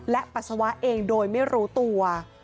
และปัสสาวะเองโดยไม่รู้ตัว